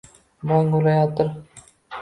Bong urayotir…